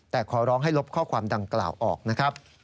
แต่ขอร้องให้ลบข้อความดังกล่าวออกนะครับ